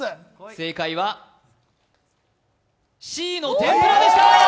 正解は、Ｃの天ぷらでした。